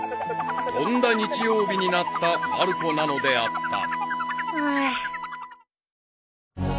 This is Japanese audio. ［とんだ日曜日になったまる子なのであった］